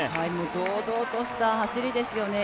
堂々とした走りですよね。